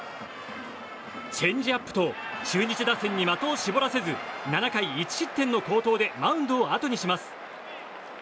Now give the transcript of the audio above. チェンジアップと中日打線に的を絞らせず７回１失点の好投でマウンドをあとにします。